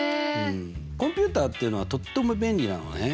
コンピューターっていうのはとっても便利なのね。